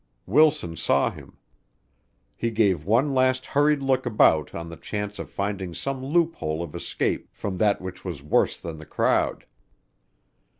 Wilson saw him. He gave one last hurried look about on the chance of finding some loophole of escape from that which was worse than the crowd.